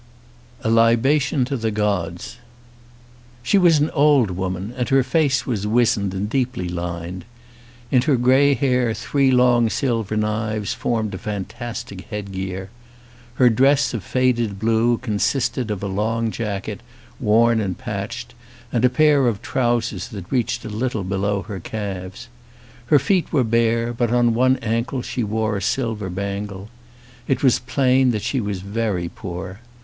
235 LVIII A LIBATION TO THE GODS SHE was an old woman, and her face was wizened and deeply lined. In her grey hair three long silver knives formed a fantastic headgear. Her dress of faded blue con sisted of a long jacket, worn and patched, and a pair of trousers that reached a little below her calves. Her feet were bare, but on one ankle she wore a silver bangle. It was plain that she was very poor.